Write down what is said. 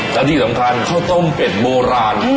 และที่สำคัญข้าวต้มเป็ดโบราณ